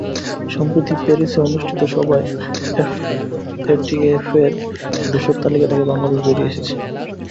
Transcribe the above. সম্প্রতি প্যারিসে অনুষ্ঠিত সভায় এফএটিএফের ধূসর তালিকা থেকে বাংলাদেশ বেরিয়ে এসেছে।